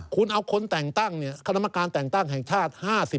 คุณเอาคนแต่งตั้งคณะกรรมการแต่งตั้งแห่งชาติ๕๐